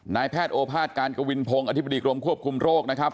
นายแพทย์โอภาษการกวินพงศ์อธิบดีกรมควบคุมโรคนะครับ